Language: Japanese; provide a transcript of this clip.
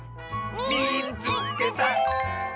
「みいつけた！」。